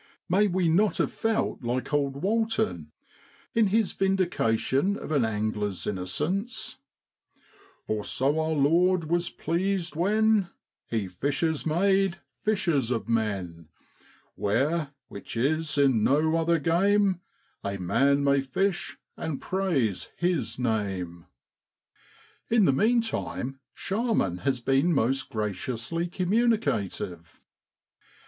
May we not have felt like old Walton in his vindication of an angler's innocence ? 'For so our Lord was pleased when He fishers made fishers of men; Where (which is in no other game) A man may fish and praise His name.' In the meantime Sharman has been most graciously communicative.